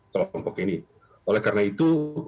kelompok ini oleh karena itu